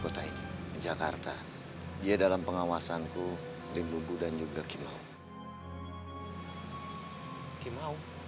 kenapa maka kita berdoa sama seorang anak ibu pek gegen aki maou